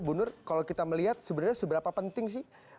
bu nur kalau kita melihat sebenarnya seberapa penting sih